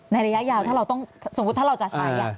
ระยะยาวถ้าเราต้องสมมุติถ้าเราจะใช้